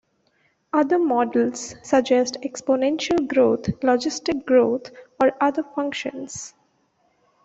Other models suggest exponential growth, logistic growth, or other functions.